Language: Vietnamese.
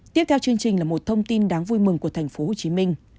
tiếp theo chương trình là một thông tin đáng vui mừng của thành phố hồ chí minh